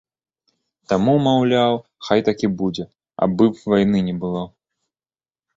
Таму, маўляў, хай так і будзе, абы б вайны не было.